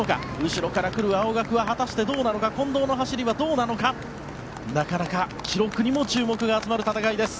後ろから来る青学は果たしてどうなのか近藤の走りはどうなのかなかなか記録にも注目が集まる戦いです。